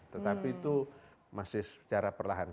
tetapi itu masih secara perlahan